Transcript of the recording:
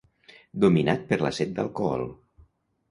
Dominat per la set d'alcohol.